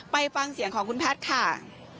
ไปฟังเสียงของคุณแพทย์ค่ะ